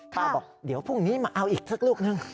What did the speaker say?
บอกเดี๋ยวพรุ่งนี้มาเอาอีกสักลูกนึง